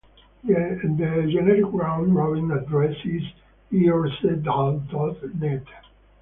The generic round-robin address is irc.dal dot net.